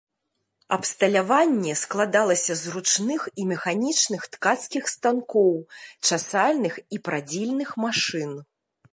Абсталяванне складалася з ручных і механічных ткацкіх станкоў, часальных і прадзільных машын.